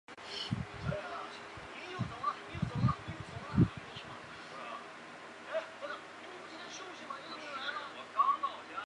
九嶷山相传为舜帝安葬之地。